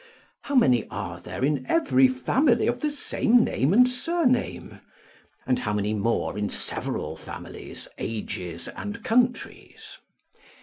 How many are there, in every family, of the same name and surname? and how many more in several families, ages, and countries?